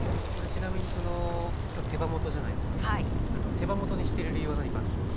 手羽元にしてる理由は何かあるんですか？